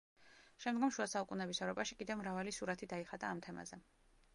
შემდგომ შუა საუკუნების ევროპაში კიდევ მრავალი სურათი დაიხატა ამ თემაზე.